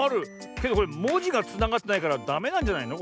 けどこれもじがつながってないからダメなんじゃないの？